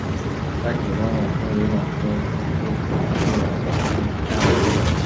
斑脊冠网蝽为网蝽科冠网蝽属下的一个种。